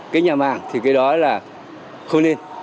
cái nhà màng thì cái đó là không nên